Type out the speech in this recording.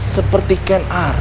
seperti ken aro